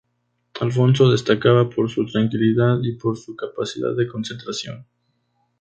Alfonso destacaba por su tranquilidad y por su capacidad de concentración.